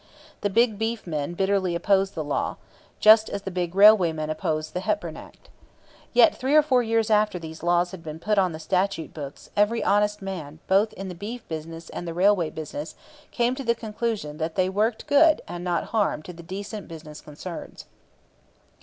The big beef men bitterly opposed the law; just as the big railway men opposed the Hepburn Act. Yet three or four years after these laws had been put on the statute books every honest man both in the beef business and the railway business came to the conclusion that they worked good and not harm to the decent business concerns.